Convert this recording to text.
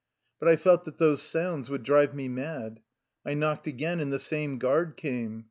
But I felt that those sounds would drive me mad. I knocked again, and the same guard came.